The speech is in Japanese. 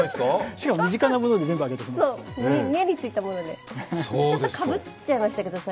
しかも身近なもので全部挙げてくれましたね。